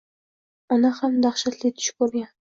Ona ham dahshatli tush ko‘rgan